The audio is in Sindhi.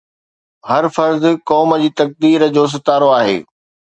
”هر فرد قوم جي تقدير جو ستارو آهي“